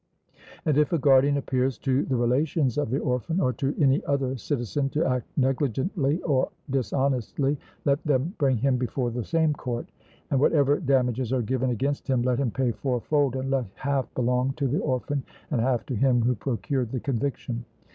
And if a guardian appears to the relations of the orphan, or to any other citizen, to act negligently or dishonestly, let them bring him before the same court, and whatever damages are given against him, let him pay fourfold, and let half belong to the orphan and half to him who procured the conviction.